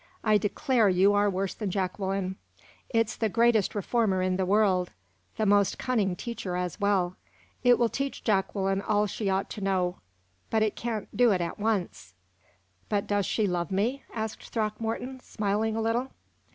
I declare you are worse than Jacqueline. It's the greatest reformer in the world the most cunning teacher as well. It will teach Jacqueline all she ought to know; but it can't do it at once." "But does she love me?" asked Throckmorton, smiling a little.